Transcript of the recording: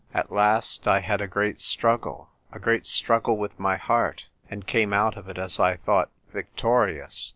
At last I had a great struggle — ^a great struggle with my heart, and came out of it as I thought victorious.